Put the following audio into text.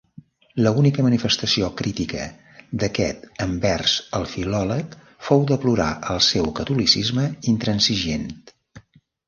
L'única manifestació crítica d'aquest envers el filòleg fou deplorar el seu catolicisme intransigent.